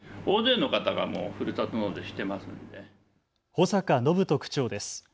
保坂展人区長です。